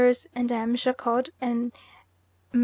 and M. Jacot, and Mme.